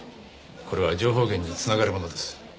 これは情報源につながるものです。